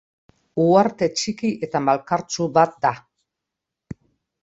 Uharte txiki eta malkartsu bat da.